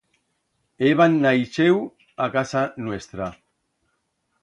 Heban naixeu a casa nuestra.